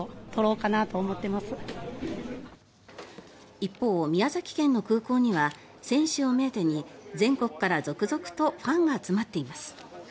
一方、宮崎県の空港には選手を目当てに全国から続々とファンが集まっています。